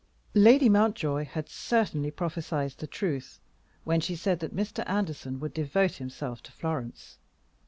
Lady Mountjoy had certainly prophesied the truth when she said that Mr. Anderson would devote himself to Florence.